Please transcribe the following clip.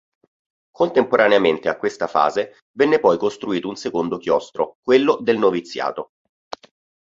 Contemporaneamente a questa fase, venne poi costruito un secondo chiostro, quello "del Noviziato".